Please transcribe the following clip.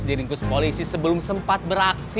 diringkus polisi sebelum sempat beraksi